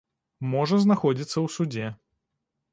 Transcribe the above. Можа знаходзіцца ў судзе.